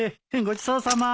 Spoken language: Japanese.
ごちそうさま。